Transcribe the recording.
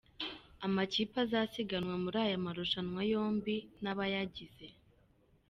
Amakipe azasiganwa muri aya marushanwa yombi n’abayagize:.